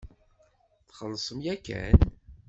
Txellṣem yakan.